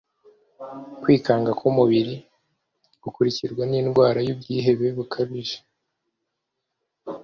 kwikanga k'umubiri gukurikirwa n'indwara y'ubwihebe bukabije